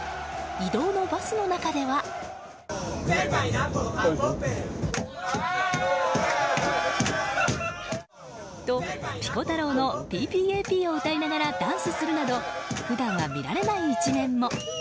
移動のバスの中では。と、ピコ太郎の「ＰＰＡＰ」を歌いながらダンスするなど普段は見られない一面も。